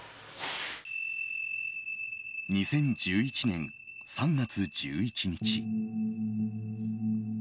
２０１１年３月１１日。